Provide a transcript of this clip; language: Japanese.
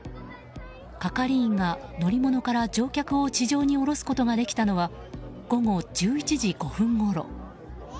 係員が乗り物から乗客を地上に降ろすことができたのは午後１１時５分ごろ。